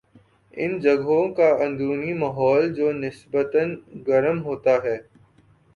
ان جگہوں کا اندرونی ماحول جو نسبتا گرم ہوتا ہے